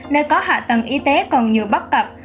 nơi có hạ tầng y tế còn nhiều bất cập